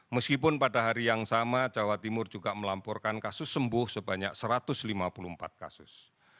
meskipun pada hari yang sama jawa timur juga melamporkan kasus sembuh sebanyak satu ratus lima puluh empat kasus